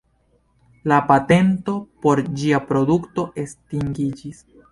La patento por ĝia produkto estingiĝis.